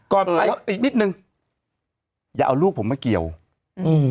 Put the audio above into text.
ไปอีกนิดนึงอย่าเอาลูกผมมาเกี่ยวอืม